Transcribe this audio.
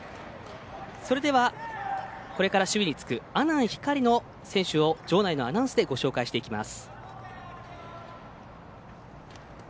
それでは、これから守備につく阿南光の選手を場内のアナウンスでご紹介していきます。